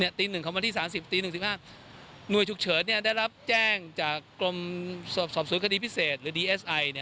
เนี่ยตีหนึ่งของวันที่๓๐ตี๑๑มระบุลชุกเฉิดเนี่ยได้รับแจ้งจากกรมสอบสุขดิปิเศษ